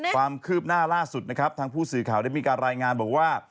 ความคืบหน้าล่าสุดนะครับทางผู้สื่อข่าวได้มีการรายงานบอกว่า